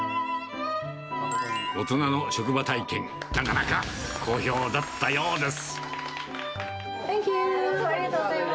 大人の職場体験、なかなか好評だったようです。